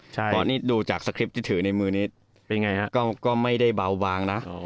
ใช่พอดนี้ดูจากที่ถือในมือนี้เป็นไงฮะก็ก็ไม่ได้เบาบางนะอ๋อ